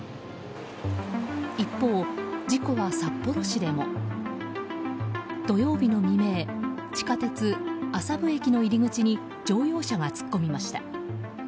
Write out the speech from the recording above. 一方、事故は札幌市でも。土曜日の未明地下鉄、麻生駅の入り口に乗用車が突っ込みました。